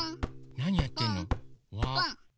なにやってんの？